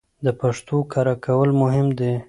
د پښتو کره کول مهم دي